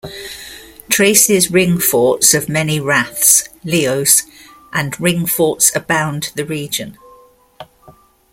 Traces ring forts of many raths, lios and ring forts abound the region.